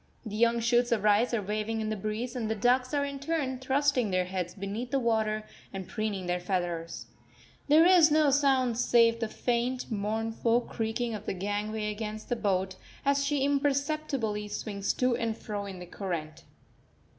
The young shoots of rice are waving in the breeze, and the ducks are in turn thrusting their heads beneath the water and preening their feathers. There is no sound save the faint, mournful creaking of the gangway against the boat, as she imperceptibly swings to and fro in the current.